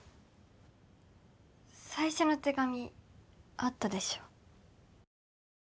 最初の手紙あったでしょ？